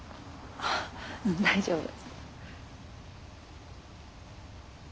あ大丈夫。